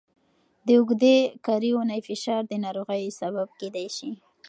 د اوږدې کاري اونۍ فشار د ناروغۍ سبب کېدای شي.